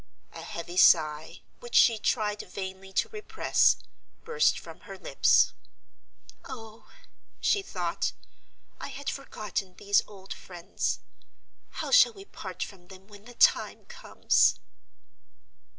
A heavy sigh, which she tried vainly to repress, burst from her lips. "Oh," she thought, "I had forgotten these old friends! How shall we part from them when the time comes!"